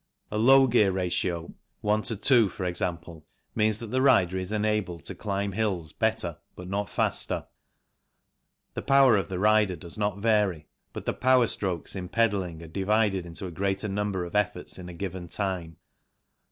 A low gear ratio, one to two, for example, means that the rider is enabled to climb hills better but not faster ; the power of the rider does not vary but the power strokes in pedalling are divided into a greater number of efforts in a given time.